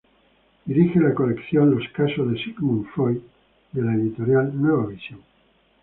Dirige la colección "Los casos de Sigmund Freud" de la Editorial Nueva Visión.